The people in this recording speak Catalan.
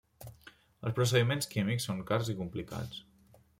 Els procediments químics són cars i complicats.